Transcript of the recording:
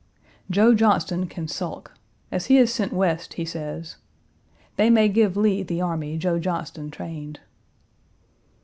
Joe Johnston can sulk. As he is sent West, he says, "They may give Lee the army Joe Johnston trained."